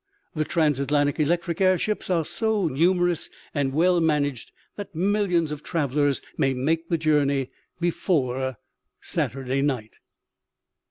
The trans Atlantic electric air ships are so numerous and well managed that millions of travellers may make the journey before Saturday night."